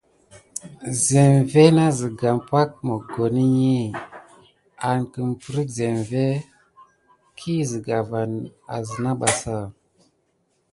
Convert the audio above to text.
Zeŋvé iki na siga pak mokoni angəprire zeŋvé bana ki siga va asina basa bar.